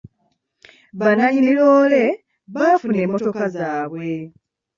Bannannyini loole baafuna emmotoka zaabwe.